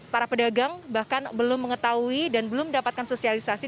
para pedagang bahkan belum mengetahui dan belum mendapatkan sosialisasi